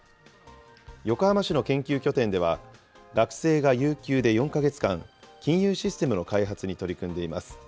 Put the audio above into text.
横浜市の研究拠点では、学生が有給で４か月間、金融システムの開発に取り組んでいます。